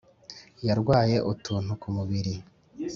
Yarwaye utunu ku mubiri